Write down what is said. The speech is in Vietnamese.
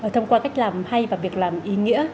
thông qua cách làm hay và việc làm ý nghĩa